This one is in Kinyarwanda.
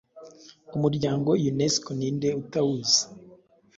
Umuryango unesco ninde utawuzi